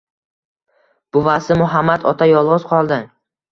Buvasi Muhammad ota yolg`iz qoldi